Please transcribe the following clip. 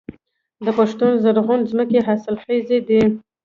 د پښتون زرغون ځمکې حاصلخیزه دي